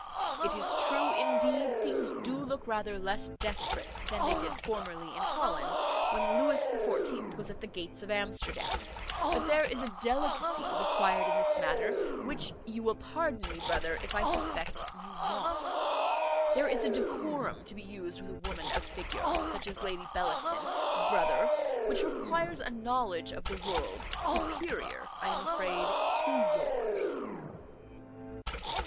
It is true, indeed, things do look rather less desperate than they did formerly in Holland, when Lewis the Fourteenth was at the gates of Amsterdam; but there is a delicacy required in this matter, which you will pardon me, brother, if I suspect you want. There is a decorum to be used with a woman of figure, such as Lady Bellaston, brother, which requires a knowledge of the world, superior, I am afraid, to yours."